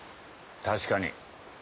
確かに。